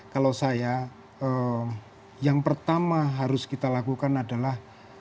kalau saya yang pertama harus kita lakukan adalah